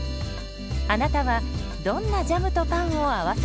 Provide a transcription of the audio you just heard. あなたはどんなジャムとパンを合わせますか？